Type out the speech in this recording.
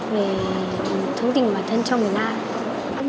về thông tin của bản thân cho người lai